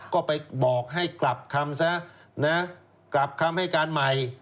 ก็ไปบอกให้กลับคำซะนะกลับคำให้การใหม่